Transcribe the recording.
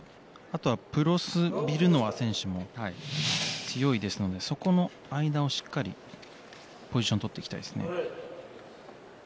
プロスビルノワ選手も強いですのでその間もしっかりポジションを取っていきたいですね。